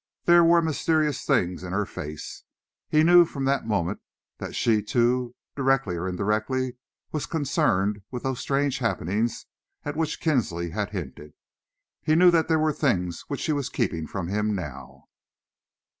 There were mysterious things in her face. He knew from that moment that she, too, directly or indirectly, was concerned with those strange happenings at which Kinsley had hinted. He knew that there were things which she was keeping from him now.